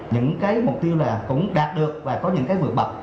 những cái mục tiêu là cũng đạt được và có những cái vượt bậc